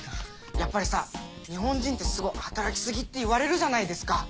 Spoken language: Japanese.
やっぱりさ日本人ってすごい働きすぎって言われるじゃないですか。